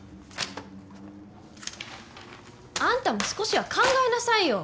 あんたも少しは考えなさいよ！